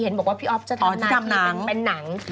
เห็นบอกว่าพี่อ๊อกจะทำนาคีแผนนัง